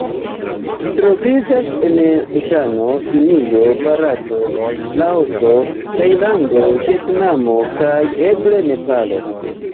Ĝi troviĝas en Butano, Ĉinio, Barato, Laoso, Tajlando, Vjetnamo kaj eble Nepalo.